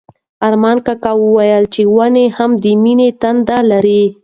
ارمان کاکا وویل چې ونې هم د مینې تنده لري.